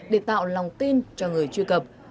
để tạo lòng tin cho người truy cập